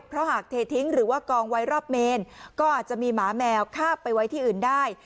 เพราะหากเททิ้งหรือว่ากองไว้รอบเมนก็อาจจะมีหมาแมวข้าบไปไว้ที่อื่นได้